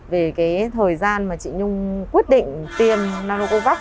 về cái thời gian mà chị nhung quyết định tiêm nanocovax